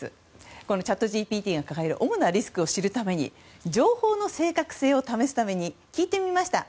チャットＧＰＴが抱える主なリスクを知るために情報の正確性を試すために聞いてみました。